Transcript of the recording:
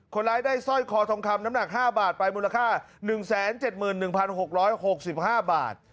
คนร้ายได้สร้อยคอทองคำน้ำหนัก๕บาทไปมูลค่า๑๗๑๖๖๕บาท